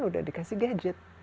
sudah dikasih gadget